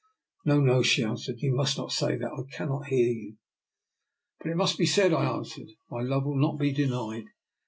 " No, no,'* she answered, '* you must not say that. I cannot hear you." " But it must be said," I answered. " My love will not be denied.